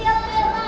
iya boleh pak